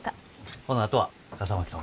ほなあとは笠巻さん